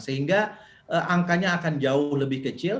sehingga angkanya akan jauh lebih kecil